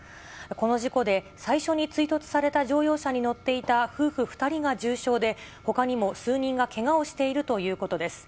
この事故で最初に追突された乗用車に乗っていた夫婦２人が重傷で、ほかにも数人がけがをしているということです。